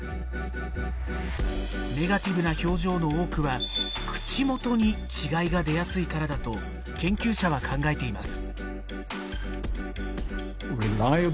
ネガティブな表情の多くは口元に違いが出やすいからだと研究者は考えています。